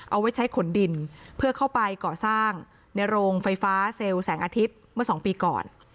เอาไว้ใช้ขนดินเพื่อเข้าไปก่อสร้างในโรงไฟฟ้าเซลล์แสงอาทิตย์เมื่อสองปีก่อน